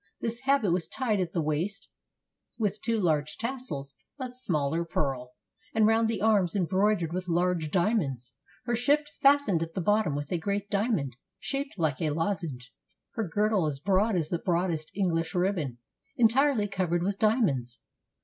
This habit was tied at the waist with TURKEY two large tassels of smaller pearl, and round the arms embroidered with large diamonds : her shift fastened at the bottom with a great diamond, shaped like a lozenge; her girdle as broad as the broadest English ribbon, en tirely covered with diamonds.